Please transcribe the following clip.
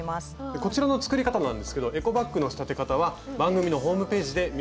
こちらの作り方なんですけどエコバッグの仕立て方は番組のホームページで見ることができます。